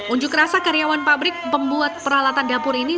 unjuk rasa karyawan pabrik pembuat peralatan dapur ini